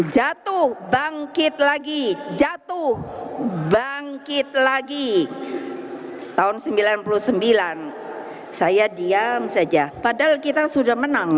jatuh bangkit lagi jatuh bangkit lagi tahun sembilan puluh sembilan saya diam saja padahal kita sudah menang